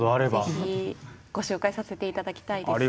ぜひご紹介させていただきたいです。